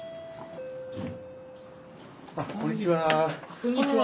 あこんにちは。